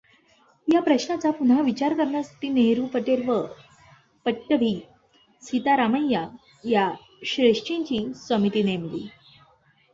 या प्रश्नाचा पुन्हा विचार करण्यासाठी नेहरू पटेल व पट्टभी सीतारामय्या या श्रेष्ठींची समिती नेमली.